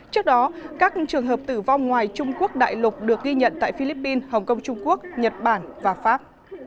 trước đó các trường hợp tử vong ngoài trung quốc đại lục được ghi nhận tại philippines hong kong trung quốc nhật bản và pháp